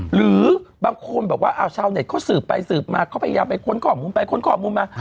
หรือบางคนแบบว่าเอาชาวเน็ตเขาสืบไปสืบมาเขาพยายามไปค้นข้อมูลไปค้นข้อมูลมา